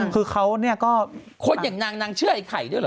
คือเขาเนี่ยก็คนอย่างนางนางเชื่อไอ้ไข่ด้วยเหรอ